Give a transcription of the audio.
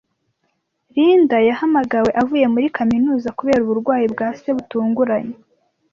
Linda yahamagawe avuye muri kaminuza kubera uburwayi bwa se butunguranye.